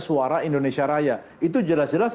suara indonesia raya itu jelas jelas